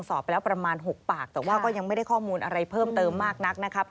สอบไปแล้วประมาณ๖ปากแต่ว่าก็ยังไม่ได้ข้อมูลอะไรเพิ่มเติมมากนักนะครับ